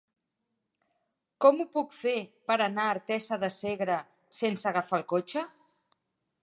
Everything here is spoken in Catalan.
Com ho puc fer per anar a Artesa de Segre sense agafar el cotxe?